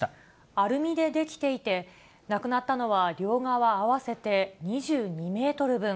アルミで出来ていて、なくなったのは両側合わせて２２メートル分。